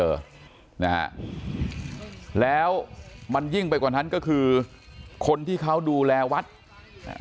นะฮะแล้วมันยิ่งไปกว่านั้นก็คือคนที่เขาดูแลวัดอ่า